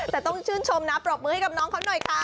แต่ต้องชื่นชมนะปรบมือให้กับน้องเขาหน่อยค่ะ